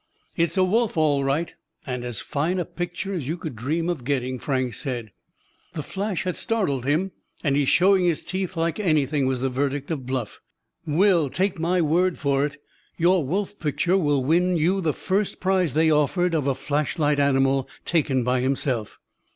"It's a wolf, all right, and as fine a picture as you could dream of getting!" Frank said. "The flash has startled him, and he's showing his teeth like anything!" was the verdict of Bluff. "Will, take my word for it, your wolf picture will win you the first prize they offered of a flashlight animal taken by himself!"